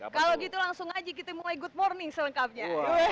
kalau gitu langsung aja kita mulai good morning selengkapnya